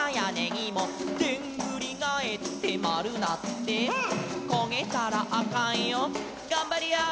「でんぐりがえってまるなって」「こげたらあかんよがんばりやー」